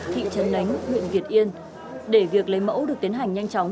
thị trấn lánh huyện việt yên để việc lấy mẫu được tiến hành nhanh chóng